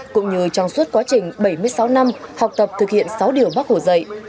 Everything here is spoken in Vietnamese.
cũng như trong suốt quá trình bảy mươi sáu năm học tập thực hiện sáu điều bác hồ dạy